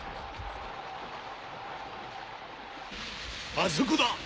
あそこだ！